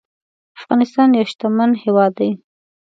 افغانستان يو شتمن هيواد دي